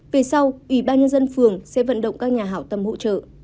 về sau ủy ban nhân dân phường sẽ vận động các nhà hảo tâm hỗ trợ